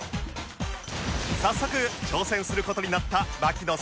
早速挑戦する事になった槙野さんでしたが